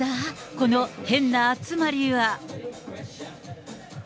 この変な集まりは。